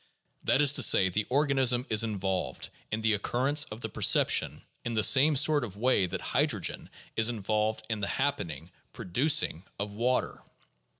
That is to say, the organism is involved in the occurrence of the perception in the same sort of way that hydrogen is involved in the happening — producing — of water.